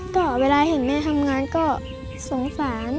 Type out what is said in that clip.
ก็เวลาเห็นแม่ทำงานก็สงสาร